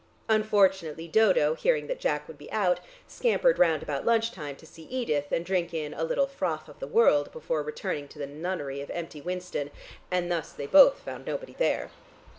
Unfortunately Dodo, hearing that Jack would be out, scampered round about lunch time to see Edith, and drink in a little froth of the world before returning to the nunnery of empty Winston, and thus they both found nobody there.